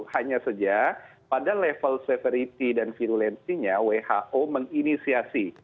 hanya saja pada level severity dan virulensinya who menginisiasi